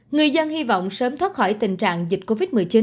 người dân hy vọng sớm thoát khỏi tình trạng dịch covid một mươi chín